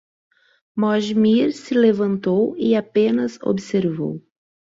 Mojmir se levantou e apenas observou.